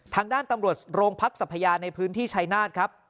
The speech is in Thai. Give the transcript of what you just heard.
ทางด้านตำรวจโรงพักสัพยาในพื้นที่ชายนาฏครับ